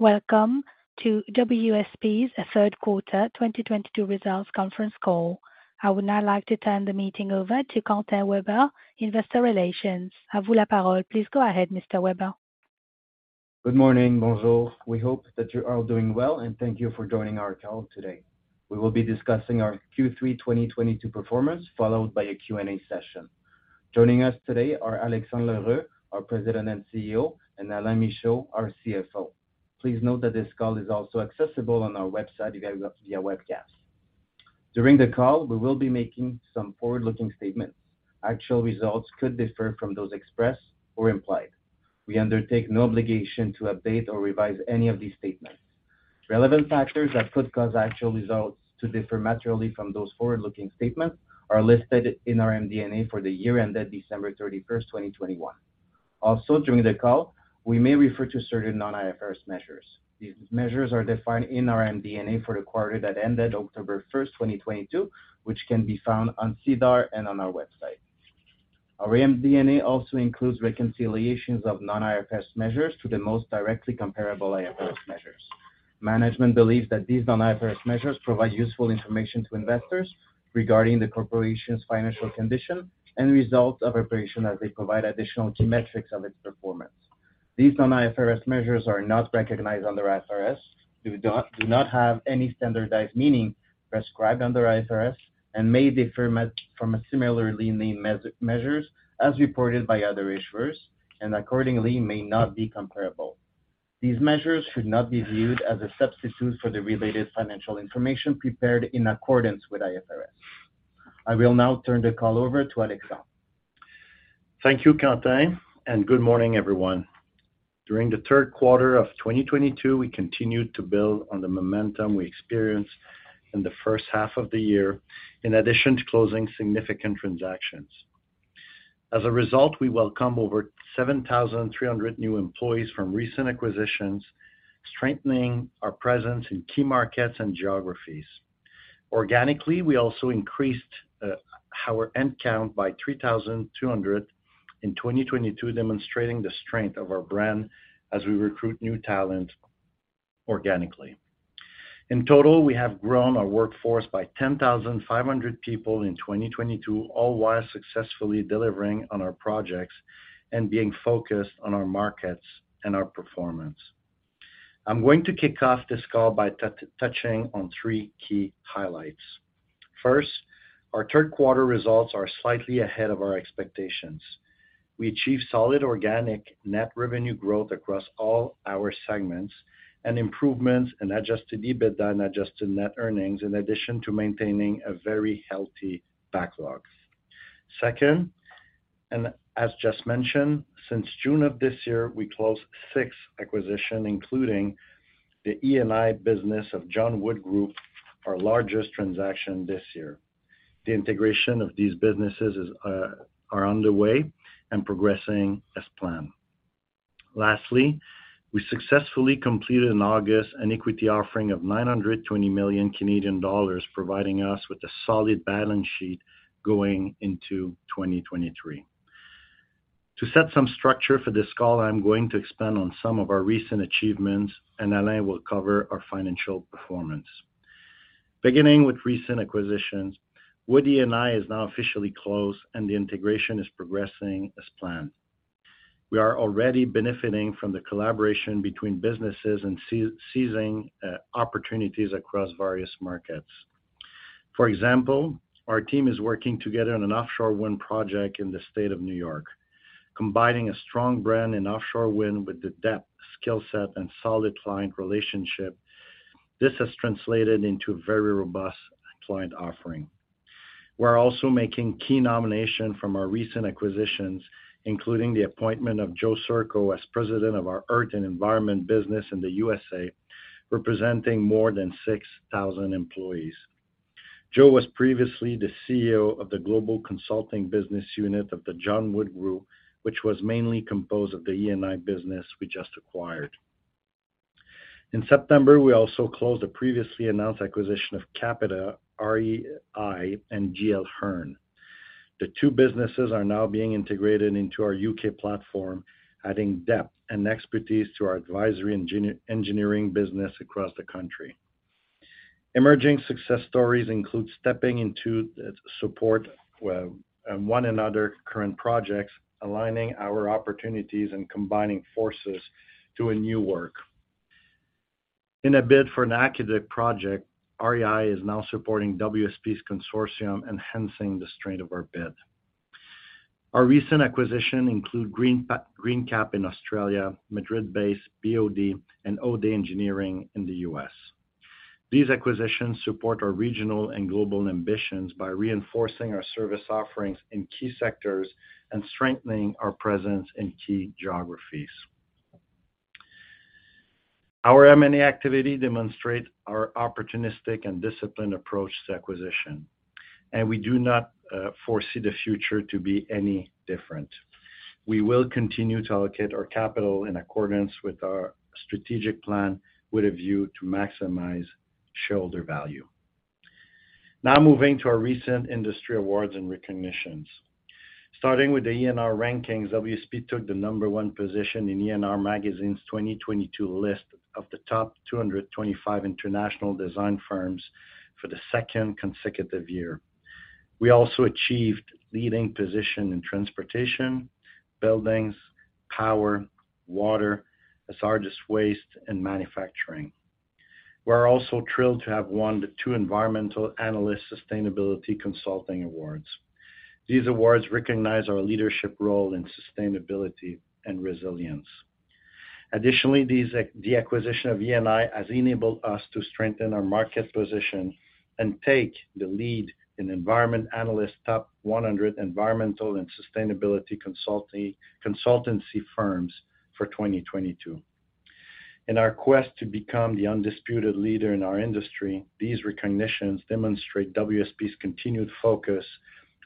Welcome to WSP's third quarter 2022 results conference call. I would now like to turn the meeting over to Quentin Weber, Investor Relations. A vous la parole. Please go ahead, Mr. Weber. Good morning. Bonjour. We hope that you are doing well, and thank you for joining our call today. We will be discussing our Q3 2022 performance, followed by a Q&A session. Joining us today are Alexandre L'Heureux, our President and CEO, and Alain Michaud, our CFO. Please note that this call is also accessible on our website via webcast. During the call, we will be making some forward-looking statements. Actual results could differ from those expressed or implied. We undertake no obligation to update or revise any of these statements. Relevant factors that could cause actual results to differ materially from those forward-looking statements are listed in our MD&A for the year ended December 31, 2021. Also, during the call, we may refer to certain non-IFRS measures. These measures are defined in our MD&A for the quarter that ended October first, twenty twenty-two, which can be found on SEDAR and on our website. Our MD&A also includes reconciliations of non-IFRS measures to the most directly comparable IFRS measures. Management believes that these non-IFRS measures provide useful information to investors regarding the corporation's financial condition and results of operation, as they provide additional key metrics of its performance. These non-IFRS measures are not recognized under IFRS. We do not have any standardized meaning prescribed under IFRS and may differ from similarly named measures as reported by other issuers, and accordingly may not be comparable. These measures should not be viewed as a substitute for the related financial information prepared in accordance with IFRS. I will now turn the call over to Alexandre. Thank you, Quentin, and good morning, everyone. During the third quarter of 2022, we continued to build on the momentum we experienced in the first half of the year, in addition to closing significant transactions. As a result, we welcome over 7,300 new employees from recent acquisitions, strengthening our presence in key markets and geographies. Organically, we also increased our headcount by 3,200 in 2022, demonstrating the strength of our brand as we recruit new talent organically. In total, we have grown our workforce by 10,500 people in 2022, all while successfully delivering on our projects and being focused on our markets and our performance. I'm going to kick off this call by touching on three key highlights. First, our third quarter results are slightly ahead of our expectations. We achieved solid organic net revenue growth across all our segments and improvements in adjusted EBITDA and adjusted net earnings, in addition to maintaining a very healthy backlog. Second, and as just mentioned, since June of this year, we closed six acquisitions, including the E&I business of John Wood Group, our largest transaction this year. The integration of these businesses are underway and progressing as planned. Lastly, we successfully completed in August an equity offering of $920 million, providing us with a solid balance sheet going into 2023. To set some structure for this call, I'm going to expand on some of our recent achievements, and Alain will cover our financial performance. Beginning with recent acquisitions, Wood E&I is now officially closed, and the integration is progressing as planned. We are already benefiting from the collaboration between businesses and seizing opportunities across various markets. For example, our team is working together on an offshore wind project in the state of New York, combining a strong brand in offshore wind with the depth, skill set, and solid client relationship. This has translated into a very robust client offering. We're also making key nominations from our recent acquisitions, including the appointment of Joe Sczurko as president of our Earth and Environment business in the USA, representing more than 6,000 employees. Joe was previously the CEO of the Global Consulting business unit of the John Wood Group, which was mainly composed of the E&I business we just acquired. In September, we also closed a previously announced acquisition of Capita Real Estate and Infrastructure and GL Hearn. The two businesses are now being integrated into our UK platform, adding depth and expertise to our advisory engineering business across the country. Emerging success stories include stepping in to support one another's current projects, aligning our opportunities and combining forces doing new work. In a bid for an academic project, REI is now supporting WSP's consortium, enhancing the strength of our bid. Our recent acquisitions include Greencap in Australia, Madrid-based BOD, and Odeh Engineers in the U.S.. These acquisitions support our regional and global ambitions by reinforcing our service offerings in key sectors and strengthening our presence in key geographies. Our M&A activity demonstrates our opportunistic and disciplined approach to acquisition, and we do not foresee the future to be any different. We will continue to allocate our capital in accordance with our strategic plan, with a view to maximize shareholder value. Now moving to our recent industry awards and recognitions. Starting with the ENR rankings, WSP took the number one position in ENR magazine's 2022 list of the top 225 international design firms for the second consecutive year. We also achieved leading position in transportation, buildings, power, water, hazardous waste, and manufacturing. We're also thrilled to have won the two Environmental Analyst sustainability consulting awards. These awards recognize our leadership role in sustainability and resilience. Additionally, the acquisition of E&I has enabled us to strengthen our market position and take the lead in environment analysts top 100 environmental and sustainability consultancy firms for 2022. In our quest to become the undisputed leader in our industry, these recognitions demonstrate WSP's continued focus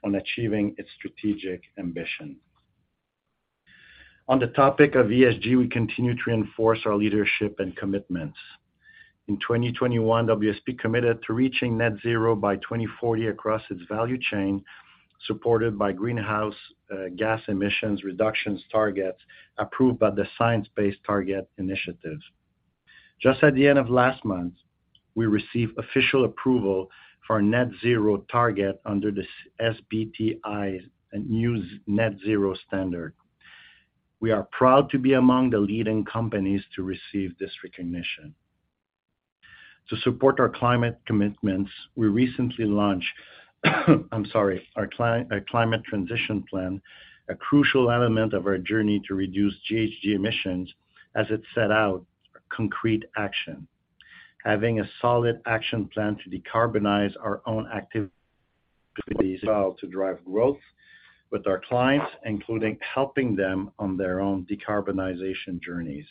on achieving its strategic ambition. On the topic of ESG, we continue to enforce our leadership and commitments. In 2021, WSP committed to reaching net zero by 2040 across its value chain, supported by greenhouse gas emissions reductions targets approved by the Science Based Targets initiative. Just at the end of last month, we received official approval for our net zero target under the SBTi's new net zero standard. We are proud to be among the leading companies to receive this recognition. To support our climate commitments, we recently launched our climate transition plan, a crucial element of our journey to reduce GHG emissions as it set out concrete action. Having a solid action plan to decarbonize our own activities as well, to drive growth with our clients, including helping them on their own decarbonization journeys.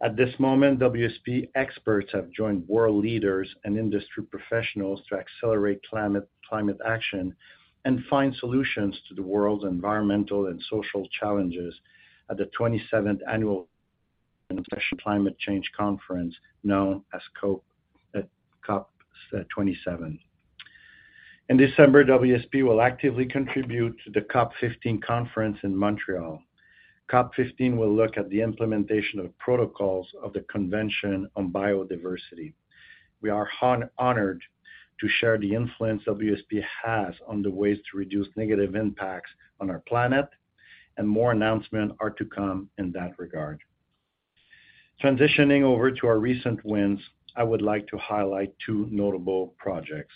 At this moment, WSP experts have joined world leaders and industry professionals to accelerate climate action and find solutions to the world's environmental and social challenges at the 27th annual Climate Change Conference, known as COP27. In December, WSP will actively contribute to the COP15 conference in Montreal. COP15 will look at the implementation of protocols of the Convention on Biological Diversity. We are honored to share the influence WSP has on the ways to reduce negative impacts on our planet, and more announcements are to come in that regard. Transitioning over to our recent wins, I would like to highlight two notable projects.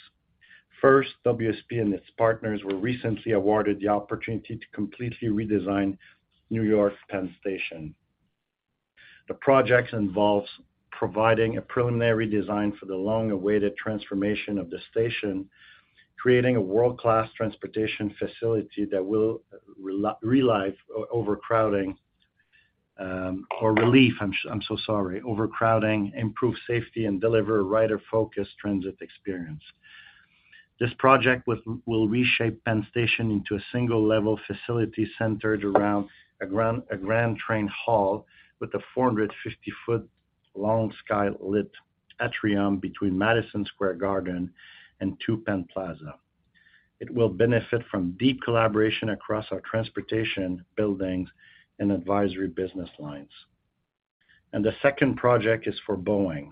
First, WSP and its partners were recently awarded the opportunity to completely redesign New York's Penn Station. The project involves providing a preliminary design for the long-awaited transformation of the station, creating a world-class transportation facility that will relieve overcrowding, improve safety and deliver rider-focused transit experience. This project will reshape Penn Station into a single-level facility centered around a grand train hall with a 450-foot long sky-lit atrium between Madison Square Garden and Two Penn Plaza. It will benefit from deep collaboration across our transportation, buildings, and advisory business lines. The second project is for Boeing.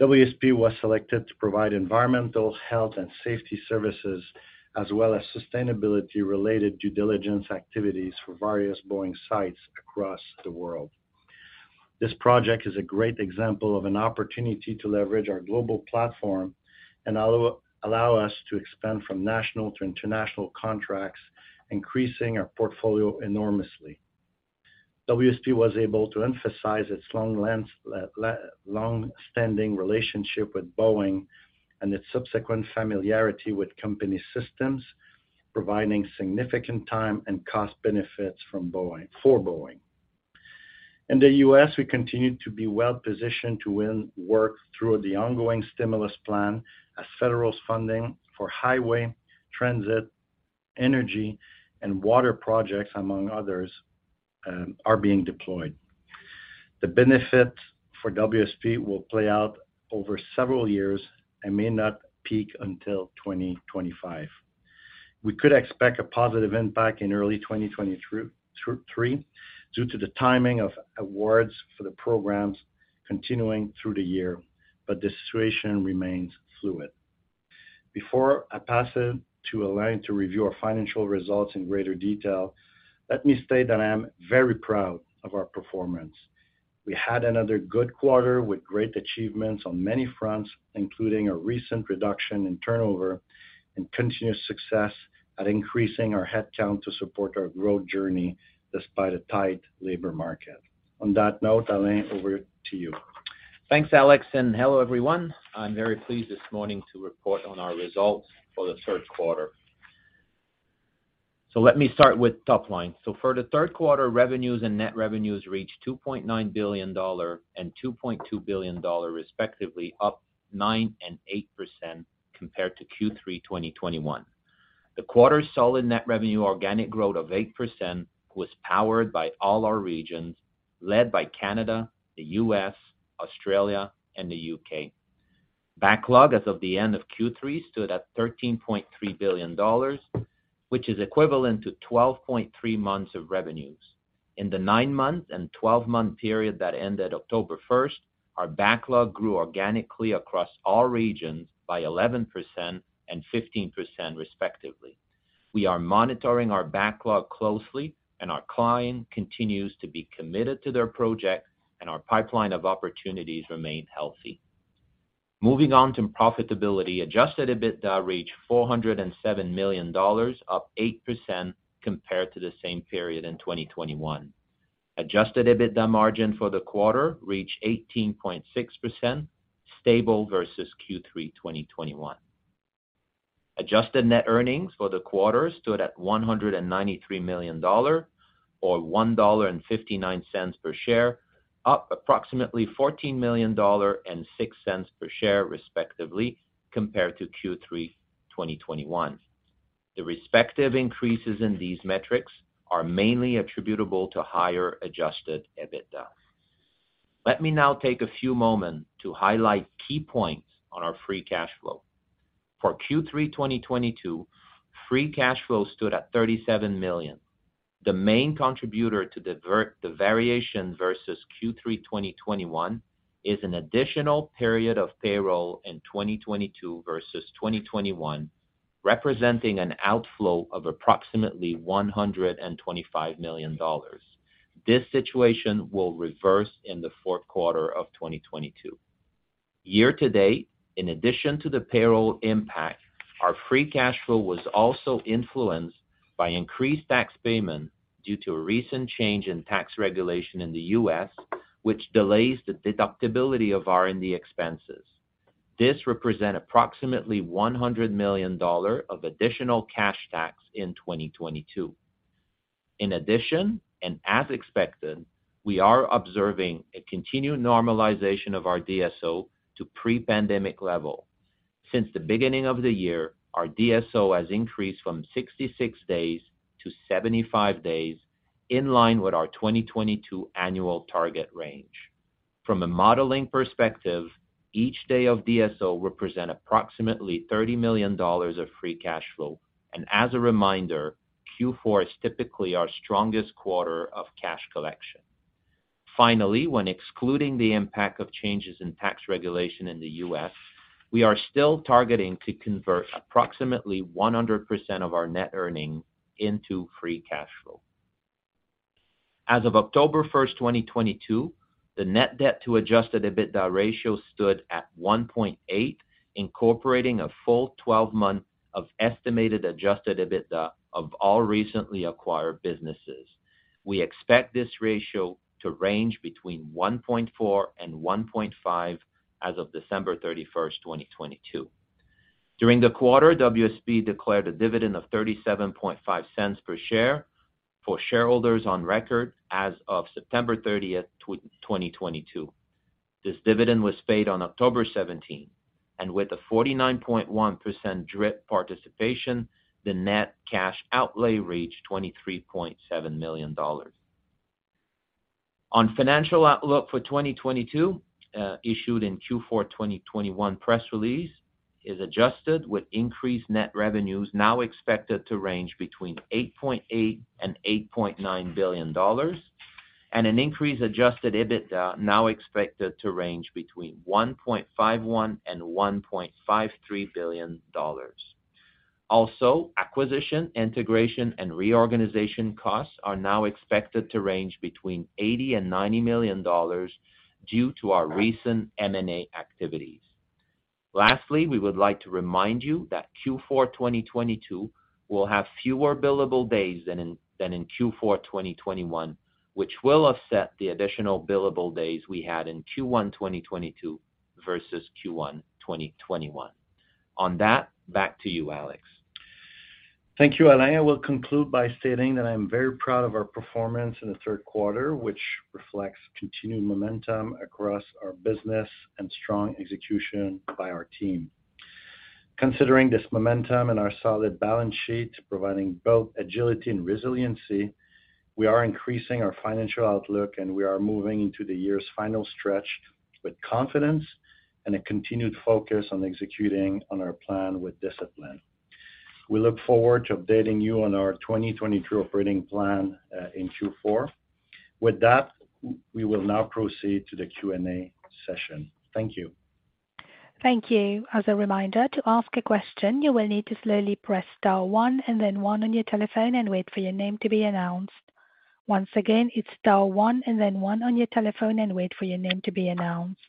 WSP was selected to provide environmental, health, and safety services, as well as sustainability-related due diligence activities for various Boeing sites across the world. This project is a great example of an opportunity to leverage our global platform and allow us to expand from national to international contracts, increasing our portfolio enormously. WSP was able to emphasize its long-standing relationship with Boeing and its subsequent familiarity with company systems, providing significant time and cost benefits from Boeing, for Boeing. In the U.S., we continue to be well-positioned to win work through the ongoing stimulus plan as federal funding for highway, transit, energy, and water projects, among others, are being deployed. The benefit for WSP will play out over several years and may not peak until 2025. We could expect a positive impact in early 2023, due to the timing of awards for the programs continuing through the year, but the situation remains fluid. Before I pass it to Alain to review our financial results in greater detail, let me state that I am very proud of our performance. We had another good quarter with great achievements on many fronts, including a recent reduction in turnover and continuous success at increasing our headcount to support our growth journey despite a tight labor market. On that note, Alain, over to you. Thanks, Alex, and hello, everyone. I'm very pleased this morning to report on our results for the third quarter. Let me start with top line. For the third quarter, revenues and net revenues reached $2.9 billion and $2.2 billion respectively, up 9% and 8% compared to Q3 2021. The quarter's solid net revenue organic growth of 8% was powered by all our regions, led by Canada, the U.S., Australia, and the U.K.. Backlog as of the end of Q3 stood at $13.3 billion, which is equivalent to 12.3 months of revenues. In the nine-month and 12-month period that ended October 1st, our backlog grew organically across all regions by 11% and 15% respectively. We are monitoring our backlog closely, and our client continues to be committed to their projects, and our pipeline of opportunities remain healthy. Moving on to profitability. Adjusted EBITDA reached $407 million, up 8% compared to the same period in 2021. Adjusted EBITDA margin for the quarter reached 18.6%, stable versus Q3 2021. Adjusted net earnings for the quarter stood at $193 million or $1.59 per share, up approximately $14 million and $0.06 per share respectively, compared to Q3 2021. The respective increases in these metrics are mainly attributable to higher adjusted EBITDA. Let me now take a few moments to highlight key points on our free cash flow. For Q3 2022, free cash flow stood at $37 million. The main contributor to divert the variation versus Q3 2021 is an additional period of payroll in 2022 versus 2021, representing an outflow of approximately $125 million. This situation will reverse in the fourth quarter of 2022. Year to date, in addition to the payroll impact, our free cash flow was also influenced by increased tax payment due to a recent change in tax regulation in the U.S., which delays the deductibility of R&D expenses. This represents approximately $100 million of additional cash tax in 2022. In addition, and as expected, we are observing a continued normalization of our DSO to pre-pandemic level. Since the beginning of the year, our DSO has increased from 66 days to 75 days, in line with our 2022 annual target range. From a modeling perspective, each day of DSO represent approximately $30 million of free cash flow. As a reminder, Q4 is typically our strongest quarter of cash collection. Finally, when excluding the impact of changes in tax regulation in the U.S., we are still targeting to convert approximately 100% of our net earnings into free cash flow. As of October 1st, 2022, the net debt to adjusted EBITDA ratio stood at 1.8, incorporating a full 12-month of estimated adjusted EBITDA of all recently acquired businesses. We expect this ratio to range between 1.4 and 1.5 as of December 31, 2022. During the quarter, WSP declared a dividend of $0.375 per share for shareholders on record as of September 30, 2022. This dividend was paid on October 17, and with a 49.1% DRIP participation, the net cash outlay reached $23.7 million. Our financial outlook for 2022, issued in Q4 2021 press release is adjusted with increased net revenues now expected to range between $8.8 billion and $8.9 billion, and an increased adjusted EBITDA now expected to range between $1.51 billion and $1.53 billion. Also, acquisition, integration, and reorganization costs are now expected to range between $80 million and $90 million due to our recent M&A activities. Lastly, we would like to remind you that Q4 2022 will have fewer billable days than in Q4 2021, which will offset the additional billable days we had in Q1 2022 versus Q1 2021. On that, back to you, Alex. Thank you, Alain. I will conclude by stating that I am very proud of our performance in the third quarter, which reflects continued momentum across our business and strong execution by our team. Considering this momentum and our solid balance sheet providing both agility and resiliency, we are increasing our financial outlook, and we are moving into the year's final stretch with confidence and a continued focus on executing on our plan with discipline. We look forward to updating you on our 2022 operating plan in Q4. With that, we will now proceed to the Q&A session. Thank you. Thank you. As a reminder, to ask a question, you will need to slowly press star one and then one on your telephone and wait for your name to be announced. Once again, it's star one and then one on your telephone and wait for your name to be announced.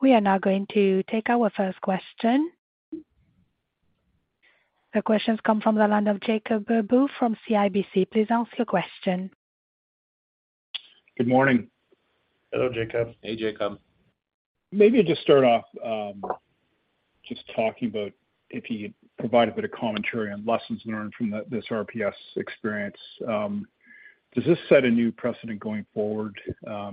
We are now going to take our first question. The question's come from the line of Jacob Bout from CIBC. Please ask your question. Good morning. Hello, Jacob. Hey, Jacob. Maybe just start off, just talking about if you'd provide a bit of commentary on lessons learned from this RPS experience. Does this set a new precedent going forward,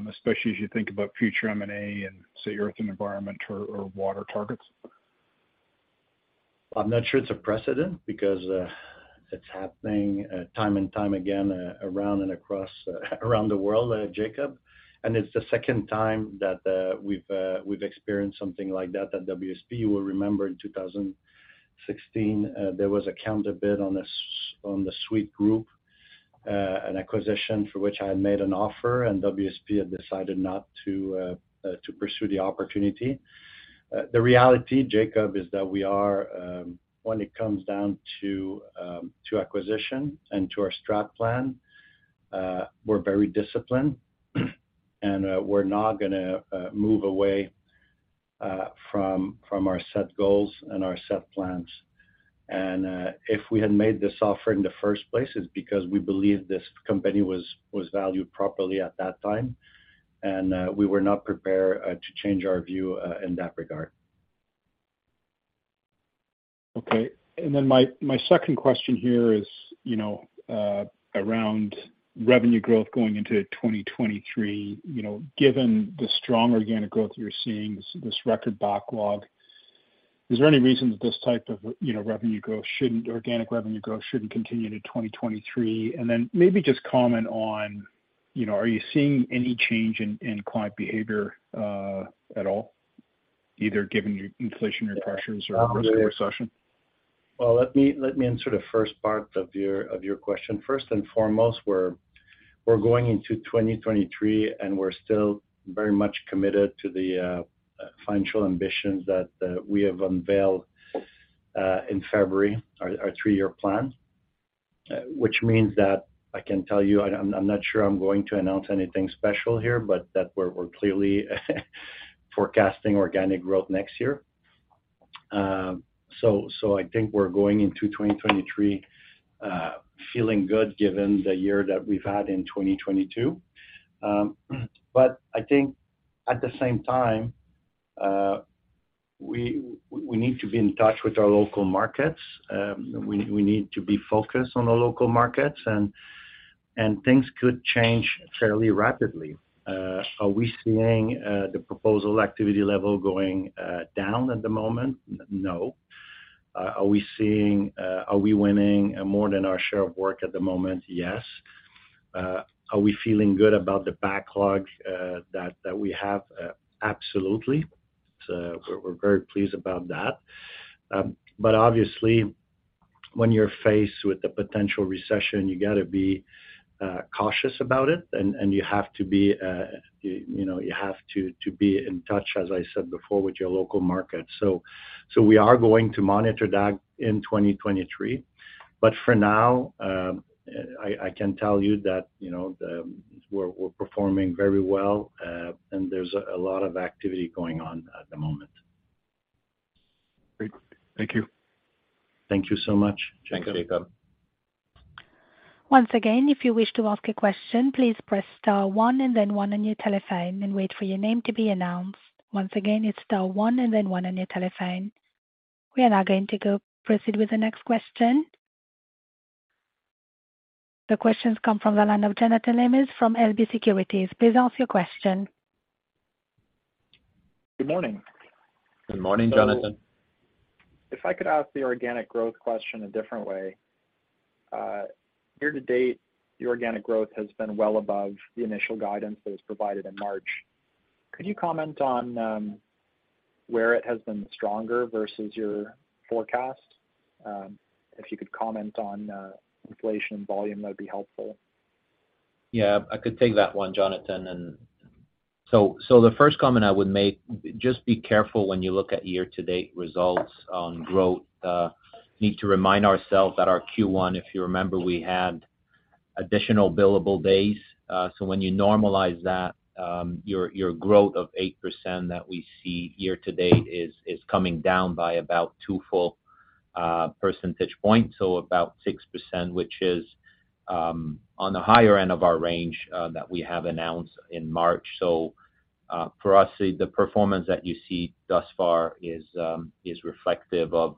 especially as you think about future M&A and, say, Earth and Environment or water targets? I'm not sure it's a precedent because it's happening time and time again around the world, Jacob. It's the second time that we've experienced something like that at WSP. You will remember in 2016 there was a counter bid on the Sweett Group, an acquisition for which I had made an offer, and WSP had decided not to pursue the opportunity. The reality, Jacob, is that we are when it comes down to acquisition and to our strat plan, we're very disciplined, and we're not gonna move away from our set goals and our set plans. If we had made this offer in the first place, it's because we believed this company was valued properly at that time, and we were not prepared to change our view in that regard. Okay. My second question here is, you know, around revenue growth going into 2023. You know, given the strong organic growth you're seeing, this record backlog, is there any reason that this type of organic revenue growth shouldn't continue to 2023? Maybe just comment on, you know, are you seeing any change in client behavior at all, either given your inflationary pressures or risk of recession? Well, let me answer the first part of your question. First and foremost, we're going into 2023, and we're still very much committed to the financial ambitions that we have unveiled in February, our three-year plan. Which means that I can tell you, I'm not sure I'm going to announce anything special here, but that we're clearly forecasting organic growth next year. So I think we're going into 2023, feeling good given the year that we've had in 2022. But I think at the same time, we need to be in touch with our local markets. We need to be focused on the local markets and things could change fairly rapidly. Are we seeing the proposal activity level going down at the moment? No. Are we winning more than our share of work at the moment? Yes. Are we feeling good about the backlog that we have? Absolutely. We're very pleased about that. Obviously when you're faced with a potential recession, you gotta be cautious about it and you have to be, you know, in touch, as I said before, with your local market. We are going to monitor that in 2023. For now, I can tell you that, you know, we're performing very well and there's a lot of activity going on at the moment. Great. Thank you. Thank you so much, Jacob. Thank you. Once again, if you wish to ask a question, please press star one and then one on your telephone and wait for your name to be announced. Once again, it's star one and then one on your telephone. We are now going to proceed with the next question. The question's come from the line of Jonathan Lamers from LB Securities. Please ask your question. Good morning. Good morning, Jonathan. If I could ask the organic growth question a different way. Year to date, the organic growth has been well above the initial guidance that was provided in March. Could you comment on where it has been stronger versus your forecast? If you could comment on inflation volume, that'd be helpful. I could take that one, Jonathan. The first comment I would make, just be careful when you look at year-to-date results on growth. Need to remind ourselves that our Q1, if you remember, we had additional billable days. So when you normalize that, your growth of 8% that we see year to date is coming down by about two full percentage points, so about 6%, which is on the higher end of our range that we have announced in March. For us, the performance that you see thus far is reflective of,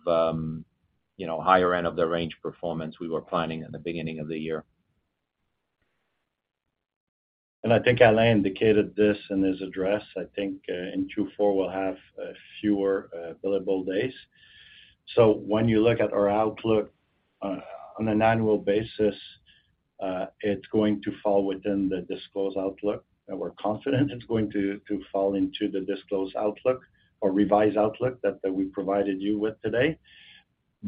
you know, higher end of the range performance we were planning at the beginning of the year. I think Alain indicated this in his address. I think in Q4 we'll have fewer billable days. When you look at our outlook, on an annual basis, it's going to fall within the disclosed outlook, and we're confident it's going to fall into the disclosed outlook or revised outlook that we provided you with today.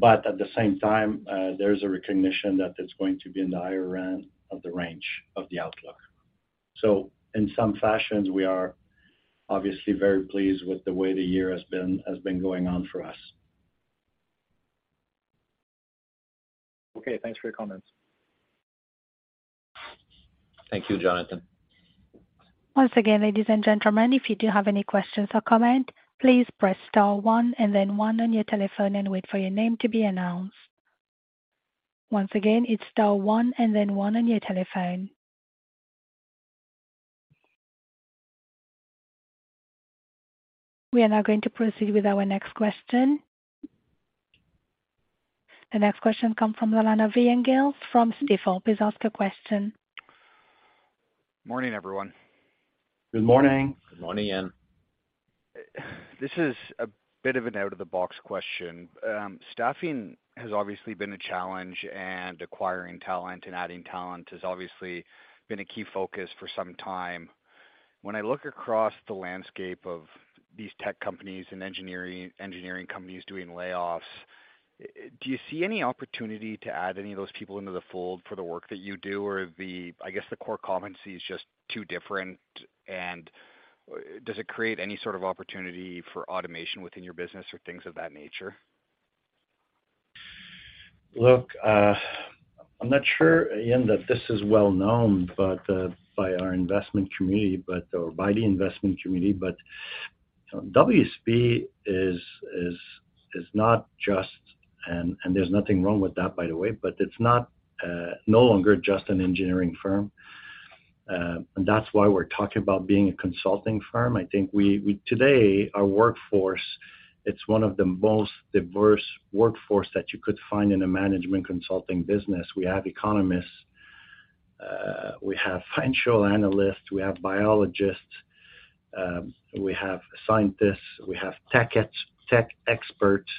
At the same time, there's a recognition that it's going to be in the higher end of the range of the outlook. In some fashions, we are obviously very pleased with the way the year has been going on for us. Okay. Thanks for your comments. Thank you, Jonathan. Once again, ladies and gentlemen, if you do have any questions or comment, please press star one and then one on your telephone and wait for your name to be announced. Once again, it's star one and then one on your telephone. We are now going to proceed with our next question. The next question comes from Ian Gillies from Stifel. Please ask your question. Morning, everyone. Good morning. Good morning, Ian. This is a bit of an out-of-the-box question. Staffing has obviously been a challenge, and acquiring talent and adding talent has obviously been a key focus for some time. When I look across the landscape of these tech companies and engineering companies doing layoffs, do you see any opportunity to add any of those people into the fold for the work that you do? Or, I guess the core competency is just too different, and does it create any sort of opportunity for automation within your business or things of that nature? Look, I'm not sure, Ian, that this is well known, but by our investment community or by the investment community. WSP is not just, and there's nothing wrong with that, by the way, but it's no longer just an engineering firm. That's why we're talking about being a consulting firm. I think today, our workforce, it's one of the most diverse workforce that you could find in a management consulting business. We have economists, we have financial analysts, we have biologists, we have scientists, we have tech experts,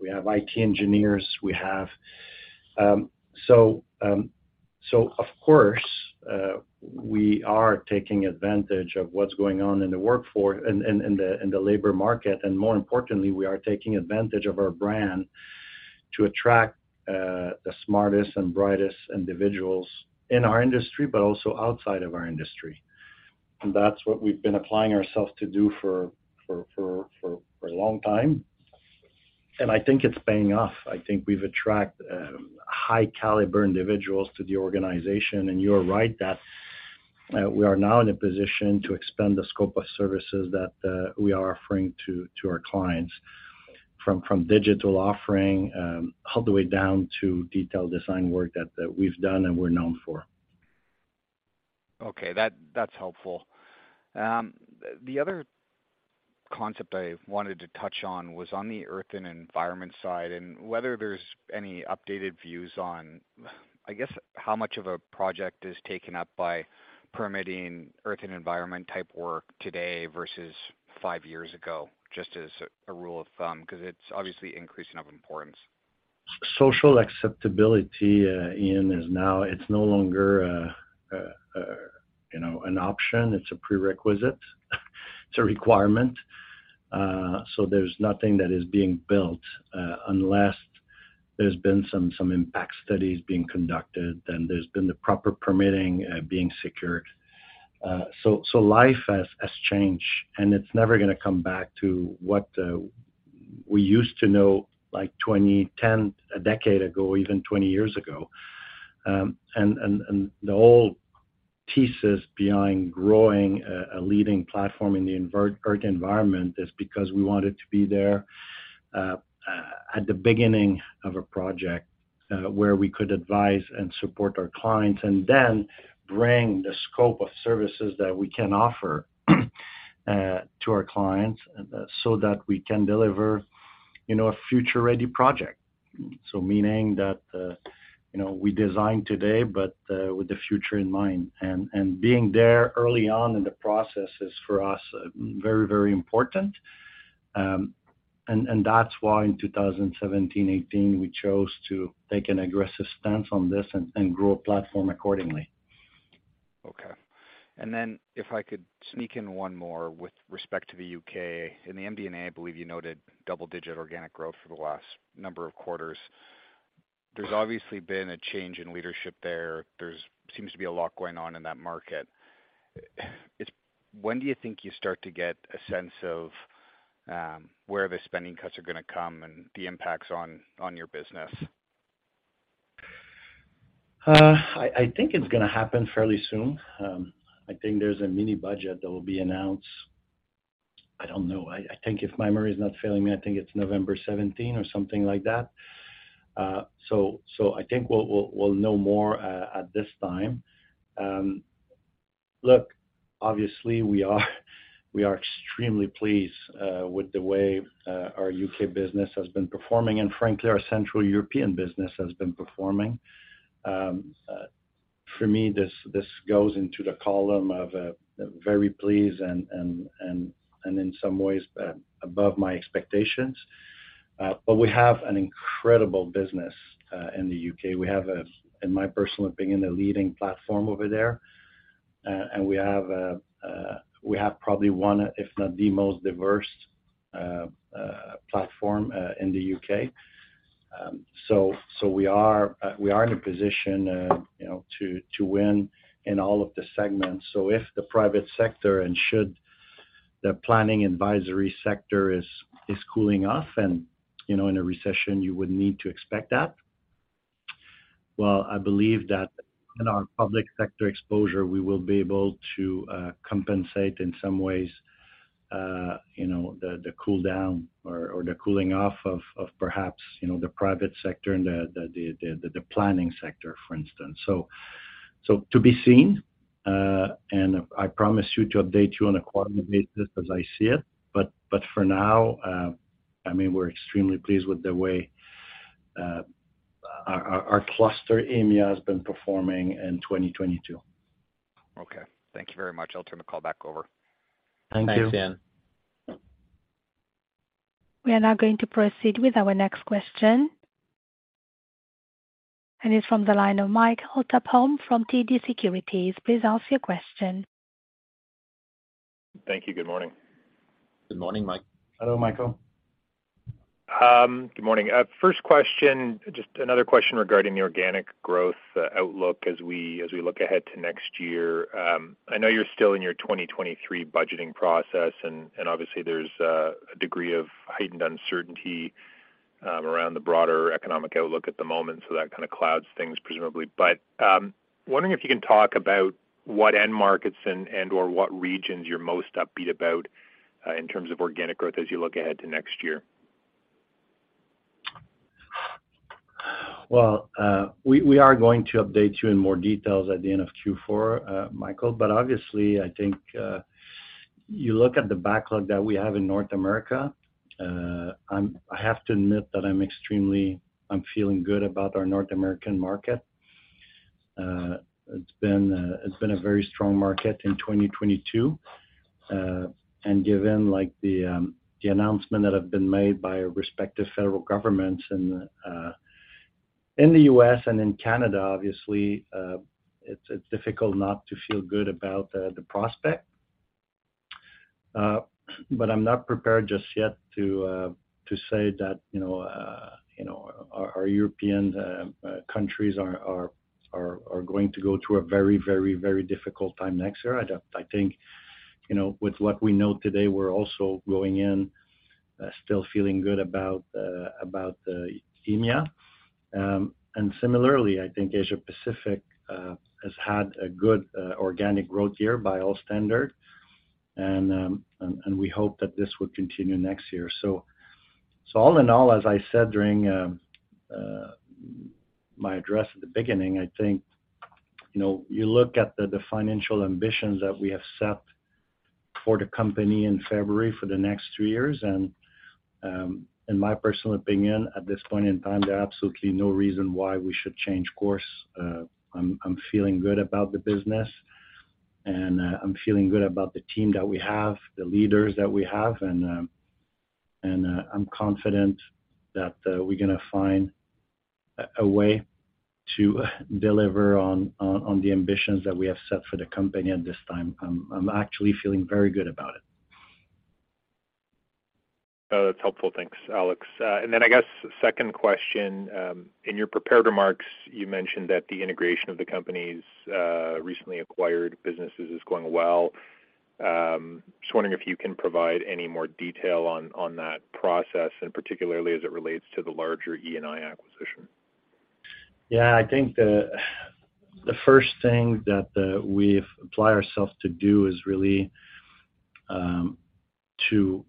we have IT engineers, we have. Of course, we are taking advantage of what's going on in the workforce and in the labor market. More importantly, we are taking advantage of our brand to attract the smartest and brightest individuals in our industry, but also outside of our industry. That's what we've been applying ourselves to do for a long time. I think it's paying off. I think we've attracted high caliber individuals to the organization. You're right that we are now in a position to expand the scope of services that we are offering to our clients. From digital offering all the way down to detailed design work that we've done and we're known for. Okay. That's helpful. The other concept I wanted to touch on was on the Earth & Environment side, and whether there's any updated views on, I guess, how much of a project is taken up by permitting Earth & Environment type work today versus five years ago, just as a rule of thumb, because it's obviously increasing in importance. Social acceptability, Ian, is now. It's no longer, you know, an option, it's a prerequisite. It's a requirement. So there's nothing that is being built unless there's been some impact studies being conducted and there's been the proper permitting being secured. So life has changed, and it's never gonna come back to what we used to know, like 20, 10, a decade ago, even 20 years ago. The whole thesis behind growing a leading platform in the Earth & Environment is because we wanted to be there at the beginning of a project where we could advise and support our clients, and then bring the scope of services that we can offer to our clients so that we can deliver, you know, a future-ready project. Meaning that, you know, we design today, but with the future in mind. Being there early on in the process is, for us, very, very important. That's why in 2017, 2018, we chose to take an aggressive stance on this and grow a platform accordingly. Okay. If I could sneak in one more with respect to the U.K. In the MD&A, I believe you noted double-digit organic growth for the last number of quarters. There's obviously been a change in leadership there. There seems to be a lot going on in that market. When do you think you start to get a sense of where the spending cuts are gonna come and the impacts on your business? I think it's gonna happen fairly soon. I think there's a mini budget that will be announced. I don't know. I think if my memory is not failing me, I think it's November 17th or something like that. I think we'll know more at this time. Obviously, we are extremely pleased with the way our UK business has been performing, and frankly, our Central European business has been performing. For me, this goes into the column of very pleased and in some ways above my expectations. We have an incredible business in the U.K.. We have, in my personal opinion, a leading platform over there. We have probably one, if not the most diverse platform in the U.K.. We are in a position, you know, to win in all of the segments. If the private sector and should the planning advisory sector is cooling off and, you know, in a recession, you would need to expect that. Well, I believe that in our public sector exposure, we will be able to compensate in some ways, you know, the cool down or the cooling off of perhaps, you know, the private sector and the planning sector, for instance. To be seen, and I promise you to update you on a quarterly basis as I see it. For now, I mean, we're extremely pleased with the way our cluster EMEA has been performing in 2022. Okay. Thank you very much. I'll turn the call back over. Thank you. Thanks, Ian. We are now going to proceed with our next question. It's from the line of Michael Tupholme from TD Securities. Please ask your question. Thank you. Good morning. Good morning, Mike. Hello, Michael. Good morning. First question, just another question regarding the organic growth outlook as we look ahead to next year. I know you're still in your 2023 budgeting process and obviously there's a degree of heightened uncertainty around the broader economic outlook at the moment, so that kinda clouds things presumably. Wondering if you can talk about what end markets and/or what regions you're most upbeat about in terms of organic growth as you look ahead to next year. We are going to update you in more details at the end of Q4, Michael. Obviously, I think you look at the backlog that we have in North America, I have to admit that I'm feeling good about our North American market. It's been a very strong market in 2022. Given like the announcements that have been made by respective federal governments in the U.S. and in Canada, obviously, it's difficult not to feel good about the prospect. I'm not prepared just yet to say that, you know, our European countries are going to go through a very difficult time next year. I think, you know, with what we know today, we're also going in, still feeling good about EMEA. Similarly, I think Asia Pacific has had a good organic growth year by all standards. We hope that this will continue next year. All in all, as I said during my address at the beginning, I think, you know, you look at the financial ambitions that we have set for the company in February for the next three years and, in my personal opinion, at this point in time, there are absolutely no reason why we should change course. I'm feeling good about the business and I'm feeling good about the team that we have, the leaders that we have, and I'm confident that we're gonna find a way to deliver on the ambitions that we have set for the company at this time. I'm actually feeling very good about it. Oh, that's helpful. Thanks, Alex. I guess second question. In your prepared remarks, you mentioned that the integration of the company's recently acquired businesses is going well. Just wondering if you can provide any more detail on that process, and particularly as it relates to the larger E&I acquisition. Yeah. I think the first thing that we've applied ourselves to do is really to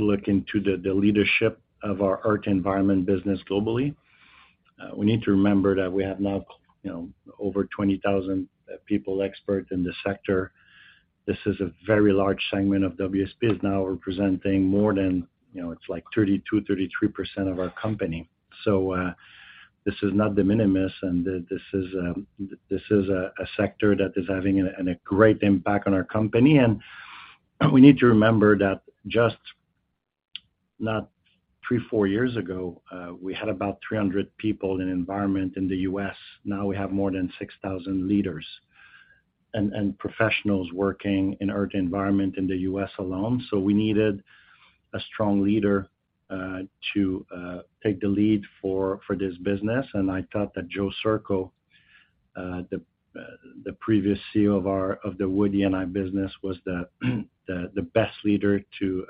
look into the leadership of our Earth & Environment business globally. We need to remember that we have now, you know, over 20,000 expert people in this sector. This is a very large segment of WSP, is now representing more than, you know, it's like 32%-33% of our company. This is not de minimis, and this is a sector that is having a great impact on our company. We need to remember that just three or four years ago, we had about 300 people in environment in the U.S., now we have more than 6,000 leaders and professionals working in Earth & Environment in the U.S. alone. We needed a strong leader to take the lead for this business. I thought that Joseph Sczurko, the previous CEO of our Wood E&I business, was the best leader to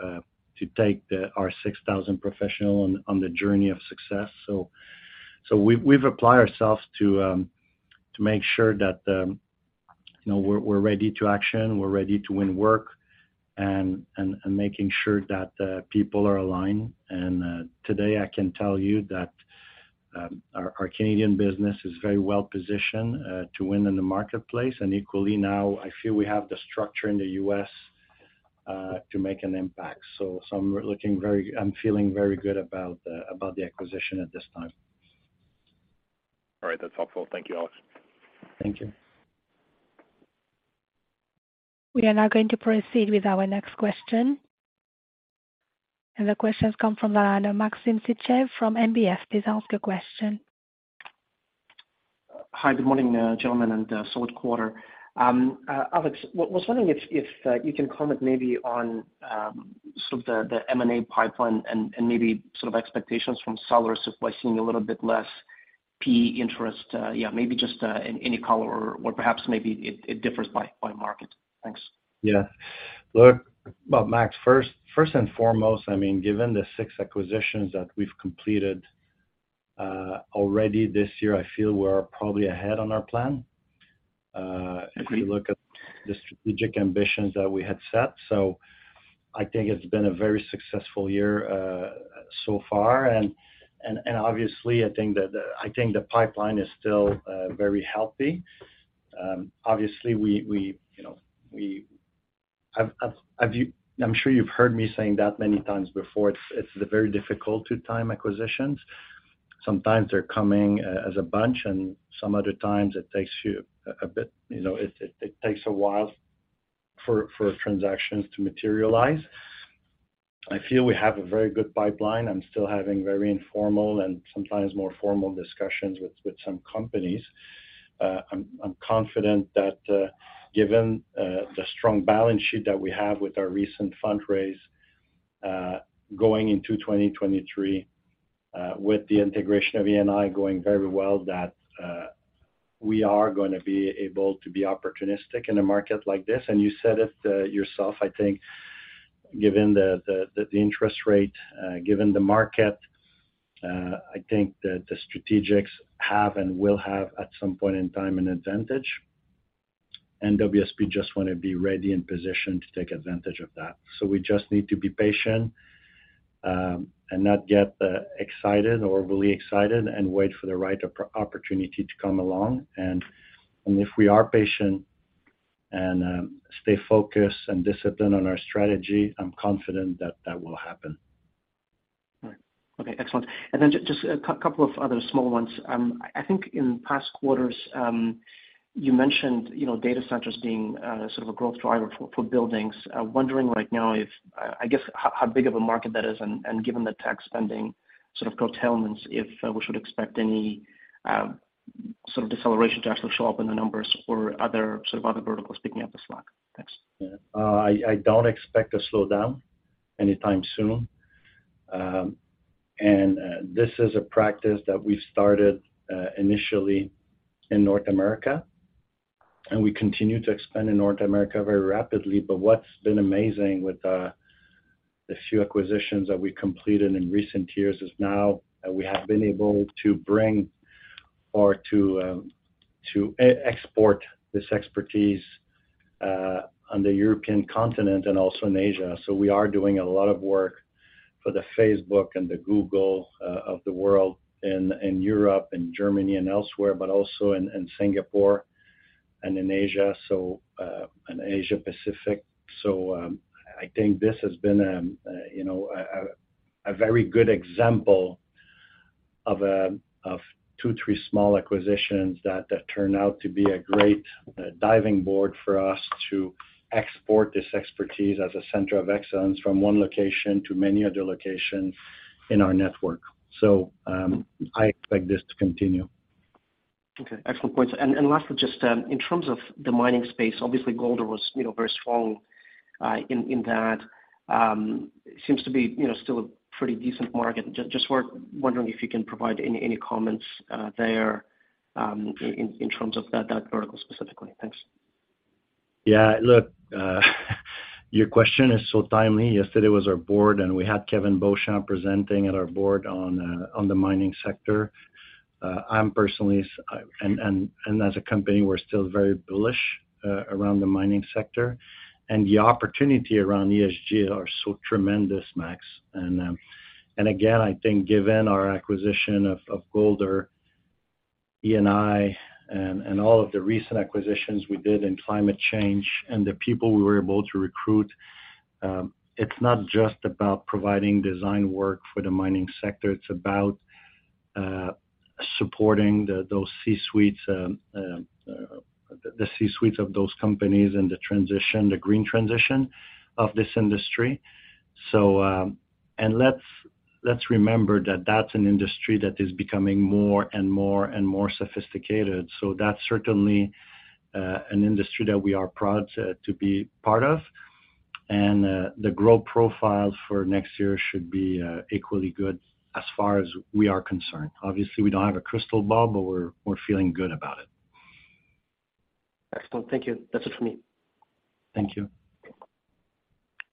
take our 6,000 professionals on the journey of success. We've applied ourselves to make sure that, you know, we're ready for action, we're ready to win work and making sure that people are aligned. Today, I can tell you that our Canadian business is very well positioned to win in the marketplace. Equally now, I feel we have the structure in the U.S. to make an impact. I'm feeling very good about the acquisition at this time. All right. That's helpful. Thank you, Alex. Thank you. We are now going to proceed with our next question. The question come from the line of Maxim Sytchev from National Bank Financial. Please ask your question. Hi. Good morning, gentlemen, and solid quarter. Alex, I was wondering if you can comment maybe on sort of the M&A pipeline and maybe sort of expectations from sellers if we're seeing a little bit less PE interest. Yeah, maybe just any color or perhaps it differs by market. Thanks. Yeah. Look, well, Max, first and foremost, I mean, given the six acquisitions that we've completed already this year, I feel we're probably ahead on our plan. If we look at the strategic ambitions that we had set. I think it's been a very successful year so far. Obviously, I think the pipeline is still very healthy. Obviously, you know, I'm sure you've heard me saying that many times before. It's very difficult to time acquisitions. Sometimes they're coming as a bunch, and some other times it takes you a bit, you know, it takes a while for transactions to materialize. I feel we have a very good pipeline. I'm still having very informal and sometimes more formal discussions with some companies. I'm confident that, given the strong balance sheet that we have with our recent fundraise, going into 2023, with the integration of E&I going very well, that we are gonna be able to be opportunistic in a market like this. You said it yourself, I think, given the interest rate, given the market, I think that the strategics have and will have, at some point in time, an advantage. WSP just wanna be ready in position to take advantage of that. We just need to be patient, and not get excited or really excited and wait for the right opportunity to come along. If we are patient and stay focused and disciplined on our strategy, I'm confident that that will happen. Right. Okay, excellent. Then just a couple of other small ones. I think in past quarters, you mentioned, you know, data centers being sort of a growth driver for buildings. I'm wondering right now if I guess how big of a market that is, and given the tech spending sort of curtailments, if we should expect any sort of deceleration to actually show up in the numbers or other verticals picking up the slack. Thanks. Yeah. I don't expect a slowdown anytime soon. This is a practice that we started initially in North America, and we continue to expand in North America very rapidly. What's been amazing with the few acquisitions that we completed in recent years is now we have been able to export this expertise on the European continent and also in Asia. We are doing a lot of work for the Facebook and the Google of the world in Europe and Germany and elsewhere, but also in Singapore and in Asia and Asia Pacific. I think this has been, you know, a very good example of two-three small acquisitions that turned out to be a great springboard for us to export this expertise as a center of excellence from one location to many other locations in our network. I expect this to continue. Okay, excellent points. Lastly, just in terms of the mining space, obviously Golder was, you know, very strong in that. Seems to be, you know, still a pretty decent market. Just wondering if you can provide any comments there in terms of that vertical specifically. Thanks. Yeah. Look, your question is so timely. Yesterday was our board, and we had Kevin Beauchamp presenting at our board on the mining sector. I'm personally and as a company, we're still very bullish around the mining sector. The opportunity around ESG are so tremendous, Max. Again, I think given our acquisition of Golder, E&I and all of the recent acquisitions we did in climate change and the people we were able to recruit, it's not just about providing design work for the mining sector, it's about supporting the, those C-suites, the C-suites of those companies and the transition, the green transition of this industry. Let's remember that that's an industry that is becoming more and more sophisticated. That's certainly an industry that we are proud to be part of. The growth profile for next year should be equally good as far as we are concerned. Obviously, we don't have a crystal ball, but we're feeling good about it. Excellent. Thank you. That's it for me. Thank you.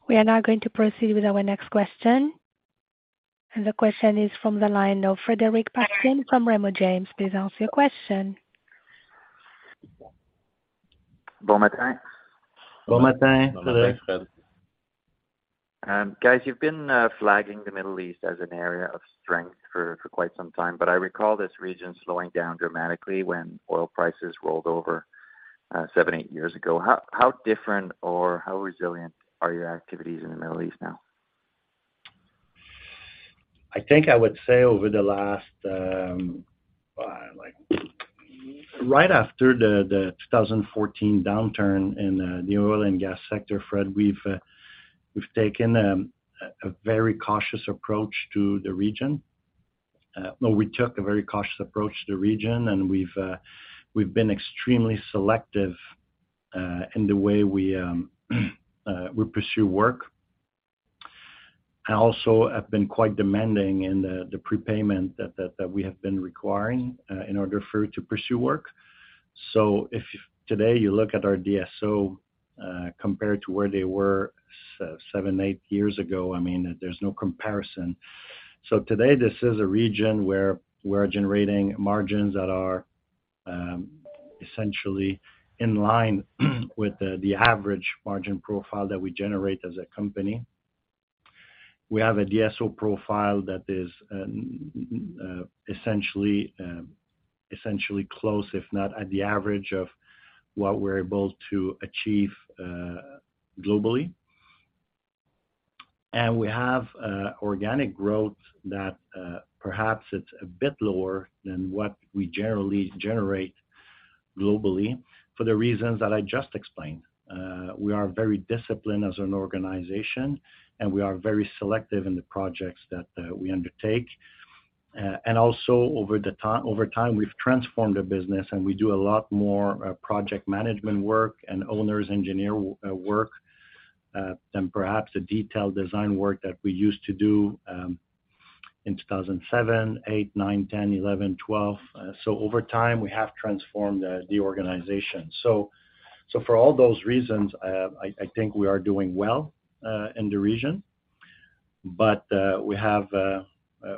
We are now going to proceed with our next question. The question is from the line of Frederic Bastien from Raymond James. Please ask your question. Bon matin. Bon matin, Frederic. Bon matin, Fred. Guys, you've been flagging the Middle East as an area of strength for quite some time, but I recall this region slowing down dramatically when oil prices rolled over seven-eight years ago. How different or how resilient are your activities in the Middle East now? I think I would say over the last, like right after the 2014 downturn in the oil and gas sector, Fred, we've taken a very cautious approach to the region. Well, we took a very cautious approach to the region, and we've been extremely selective in the way we pursue work. I also have been quite demanding in the prepayment that we have been requiring in order for to pursue work. If today you look at our DSO compared to where they were seven, eight years ago, I mean, there's no comparison. Today, this is a region where we're generating margins that are essentially in line with the average margin profile that we generate as a company. We have a DSO profile that is essentially close, if not at the average of what we're able to achieve globally. We have organic growth that perhaps it's a bit lower than what we generally generate globally for the reasons that I just explained. We are very disciplined as an organization, and we are very selective in the projects that we undertake. Over time, we've transformed the business, and we do a lot more project management work and owner's engineer work than perhaps the detailed design work that we used to do in 2007, 2008, 2009, 2010, 2011, 2012. Over time, we have transformed the organization. For all those reasons, I think we are doing well in the region.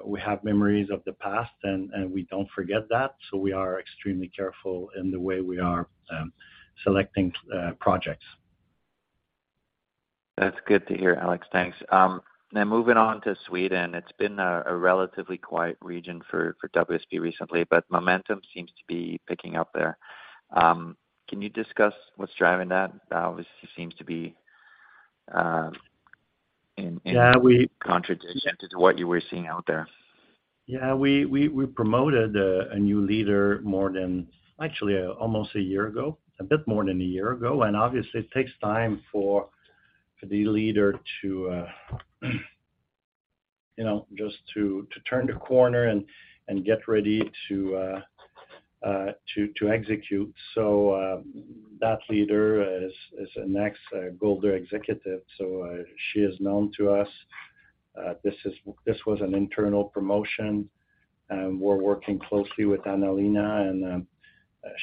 We have memories of the past, and we don't forget that, so we are extremely careful in the way we are selecting projects. That's good to hear, Alex. Thanks. Now moving on to Sweden. It's been a relatively quiet region for WSP recently, but momentum seems to be picking up there. Can you discuss what's driving that? Yeah, we Contradiction to what you were seeing out there. We promoted a new leader actually almost a year ago, a bit more than a year ago. Obviously, it takes time for the leader to you know just to turn the corner and get ready to execute. That leader is a Golder executive, so she is known to us. This was an internal promotion, and we're working closely with Anna-Lena, and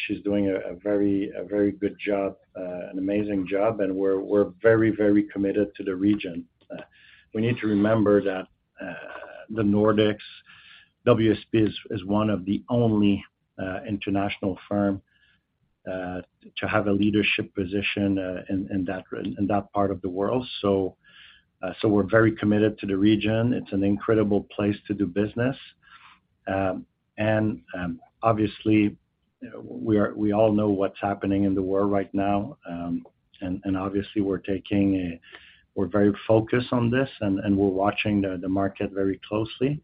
she's doing a very good job, an amazing job. We're very committed to the region. We need to remember that the Nordics, WSP is one of the only international firm to have a leadership position in that part of the world. We're very committed to the region. It's an incredible place to do business. Obviously, we all know what's happening in the world right now. We're very focused on this and we're watching the market very closely.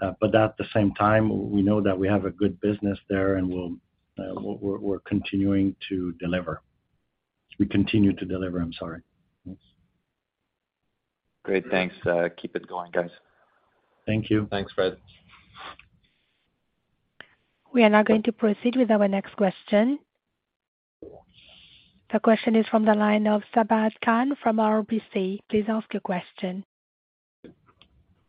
At the same time, we know that we have a good business there, and we continue to deliver. I'm sorry. Yes. Great. Thanks. Keep it going, guys. Thank you. Thanks, Fred. We are now going to proceed with our next question. The question is from the line of Sabahat Khan from RBC. Please ask your question.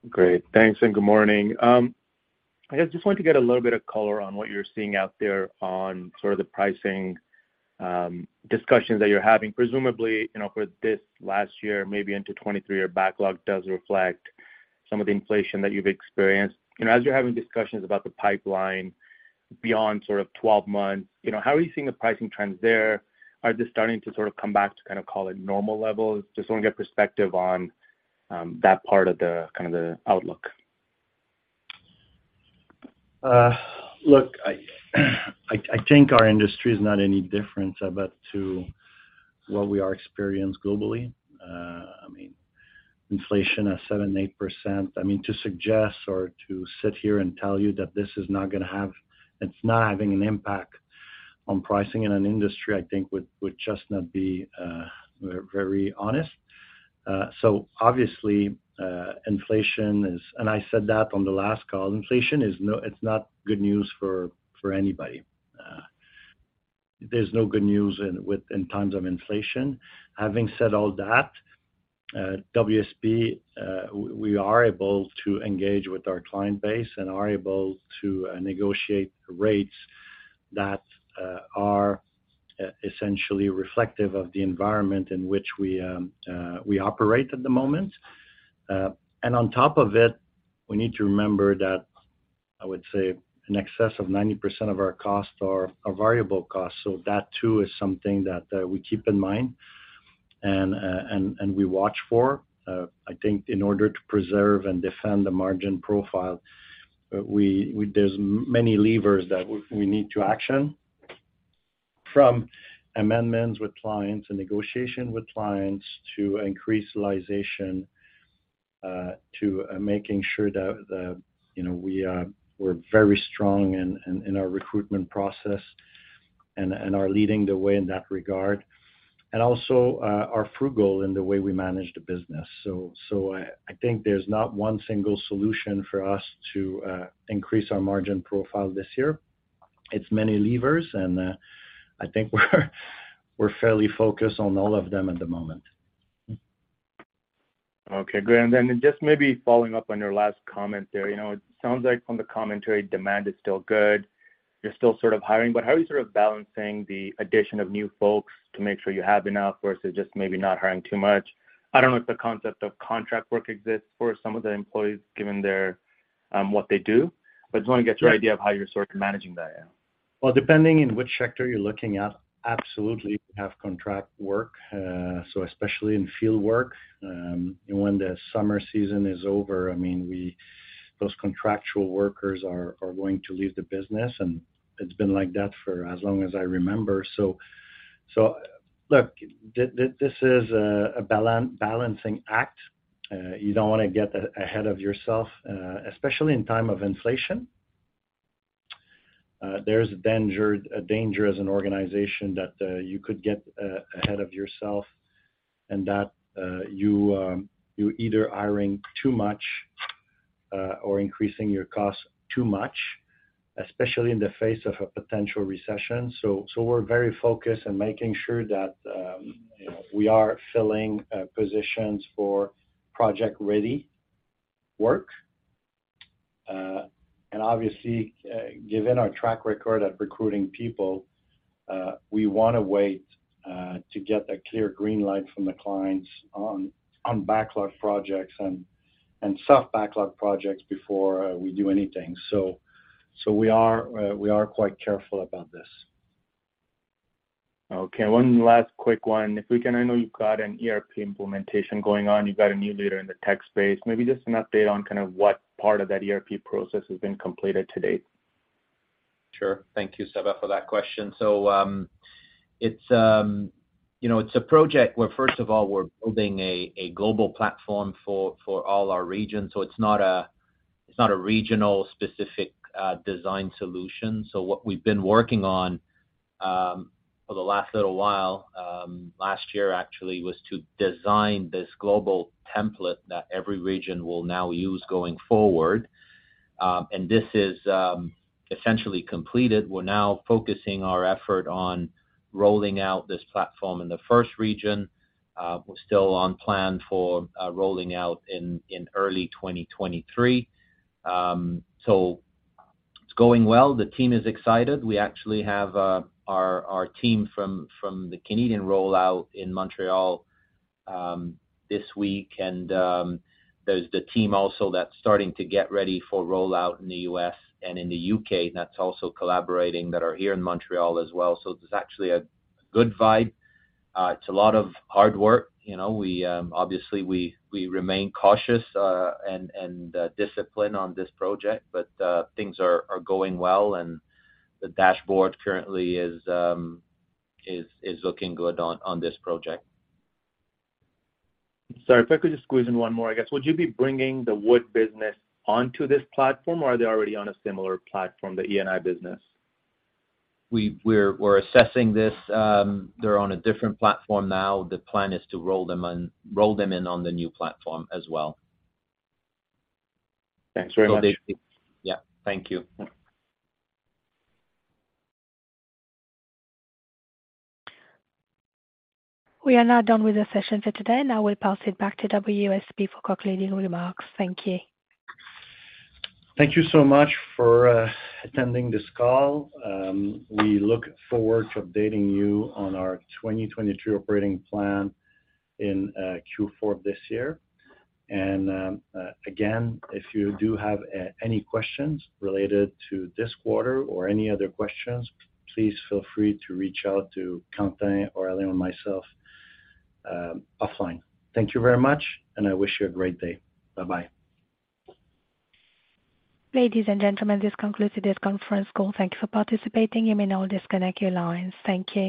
Great. Thanks, and good morning. I guess just wanted to get a little bit of color on what you're seeing out there on sort of the pricing discussions that you're having. Presumably, you know, for this last year, maybe into 2023, your backlog does reflect some of the inflation that you've experienced. You know, as you're having discussions about the pipeline beyond sort of 12 months, you know, how are you seeing the pricing trends there? Are they starting to sort of come back to kinda call it normal levels? Just wanna get perspective on that part of the, kind of the outlook. Look, I think our industry is not any different from what we are experiencing globally. I mean, inflation at 7%-8%. I mean, to suggest or to sit here and tell you that it's not having an impact on pricing in an industry, I think would just not be very honest. So obviously, I said that on the last call, inflation is not good news for anybody. There's no good news in times of inflation. Having said all that, WSP, we are able to engage with our client base and are able to negotiate rates that are essentially reflective of the environment in which we operate at the moment. On top of it, we need to remember that, I would say, in excess of 90% of our costs are variable costs. That too is something that we keep in mind and we watch for. I think in order to preserve and defend the margin profile, there are many levers that we need to action, from amendments with clients and negotiation with clients to increase realization, to making sure that, you know, we're very strong in our recruitment process and are leading the way in that regard, and also are frugal in the way we manage the business. I think there's not one single solution for us to increase our margin profile this year. It's many levers, and I think we're fairly focused on all of them at the moment. Okay, great. Then just maybe following up on your last comment there. You know, it sounds like from the commentary, demand is still good. You're still sort of hiring, but how are you sort of balancing the addition of new folks to make sure you have enough versus just maybe not hiring too much? I don't know if the concept of contract work exists for some of the employees, given their what they do, but just wanna get your idea of how you're sort of managing that. Well, depending on which sector you're looking at, absolutely we have contract work. Especially in field work. When the summer season is over, I mean, those contractual workers are going to leave the business, and it's been like that for as long as I remember. Look, this is a balancing act. You don't wanna get ahead of yourself, especially in time of inflation. There's a danger as an organization that you could get ahead of yourself and that you're either hiring too much or increasing your costs too much, especially in the face of a potential recession. We're very focused in making sure that we are filling positions for project-ready work. Obviously, given our track record at recruiting people, we wanna wait to get a clear green light from the clients on backlog projects and self backlog projects before we do anything. We are quite careful about this. Okay, one last quick one. If we can, I know you've got an ERP implementation going on, you've got a new leader in the tech space. Maybe just an update on kind of what part of that ERP process has been completed to date. Sure. Thank you, Sabahat, for that question. It's you know it's a project where first of all, we're building a global platform for all our regions. It's not a regional specific design solution. What we've been working on for the last little while, last year actually, was to design this global template that every region will now use going forward. This is essentially completed. We're now focusing our effort on rolling out this platform in the first region. We're still on plan for rolling out in early 2023. It's going well. The team is excited. We actually have our team from the Canadian rollout in Montreal this week. There's the team also that's starting to get ready for rollout in the U.S. and in the U.K., that's also collaborating that are here in Montreal as well. There's actually a good vibe. It's a lot of hard work. You know, we obviously remain cautious and disciplined on this project. Things are going well, and the dashboard currently is looking good on this project. Sorry, if I could just squeeze in one more, I guess. Would you be bringing the Wood business onto this platform or are they already on a similar platform, the E&I business? We're assessing this. They're on a different platform now. The plan is to roll them in on the new platform as well. Thanks very much. Yeah. Thank you. We are now done with the session for today. Now we'll pass it back to WSP for concluding remarks. Thank you. Thank you so much for attending this call. We look forward to updating you on our 2023 operating plan in Q4 of this year. Again, if you do have any questions related to this quarter or any other questions, please feel free to reach out to Quentin or Alain or myself, offline. Thank you very much, and I wish you a great day. Bye-bye. Ladies and gentlemen, this concludes today's conference call. Thank you for participating. You may now disconnect your lines. Thank you.